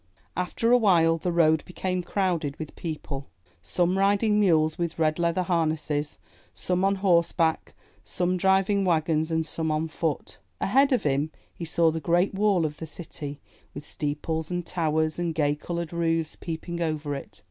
After a while, the road became crowded with 308 IN THE NURSERY people, some riding mules with red leather har nesses, some on horseback, some driving wagons, and some on foot. Ahead of him, he saw the great wall of the city, with steeples and towers and gay colored roofs peeping over it.